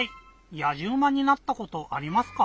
やじうまになったことありますか？